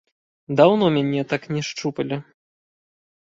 Даўно мяне так не шчупалі.